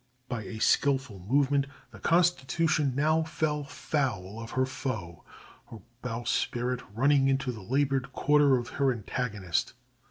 By a skilful movement, the Constitution now fell foul of her foe, her bowsprit running into the larboard quarter of her antagonist.